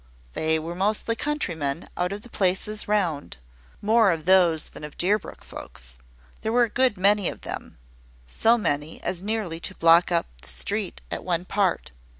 They were mostly countrymen out of the places round more of those than of Deerbrook folks. There were a good many of them so many as nearly to block up the street at one part.